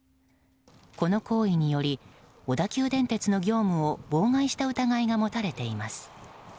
この行為により小田急電鉄の業務を妨害した疑いが持たれています。